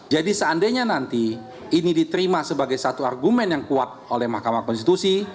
jadi seandainya nanti ini diterima sebagai satu argumen yang kuat oleh mahkamah konstitusi